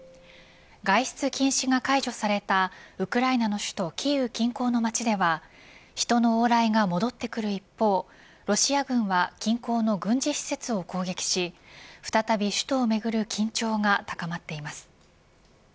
外出禁止が解除されたウクライナの首都キーウ近郊の街では人の往来が戻ってくる一方ロシア軍は近郊の軍事施設を攻撃し再び、首都をめぐる緊張が高まっています。